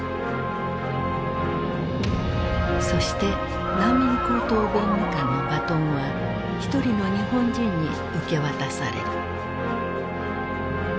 そして難民高等弁務官のバトンは一人の日本人に受け渡される。